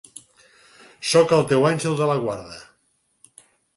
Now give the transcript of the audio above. Sóc el teu àngel de la guarda.